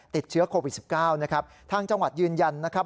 ติดเชื้อโควิด๑๙นะครับทางจังหวัดยืนยันนะครับ